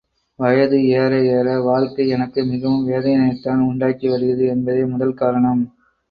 வயத ஏற ஏற வாழ்க்கை எனக்கு மிகவும் வேதனையைத்தான் உண்டாக்கி வருகிறது என்பதே முதல் காரணம்.